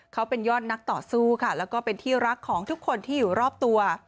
เขาเป็นยอดนักต่อสู้ค่ะแล้วก็เป็นที่รักของทุกคนที่อยู่รอบตัว